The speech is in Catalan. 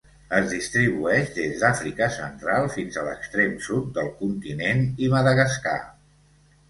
Es distribueix des d'Àfrica Central fins a l'extrem sud del continent i Madagascar.